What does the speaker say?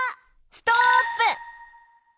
ストップ！